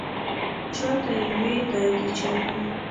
چا ته یې وې دی د چا و.